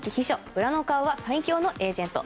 裏の顔は最強のエージェント。